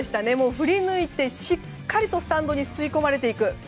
振り抜いて、しっかりとスタンドに吸い込まれていく。